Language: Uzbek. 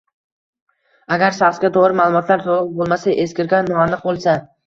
agar shaxsga doir ma’lumotlar to‘liq bo‘lmasa, eskirgan, noaniq bo‘lsa